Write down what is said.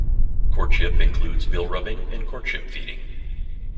Courtship includes bill rubbing and courtship feeding.